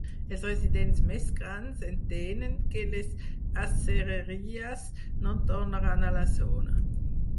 Els residents més grans entenen que les acereries no tornaran a la zona.